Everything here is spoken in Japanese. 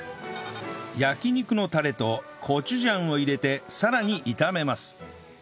焼肉のたれとコチュジャンを入れてさらに炒めます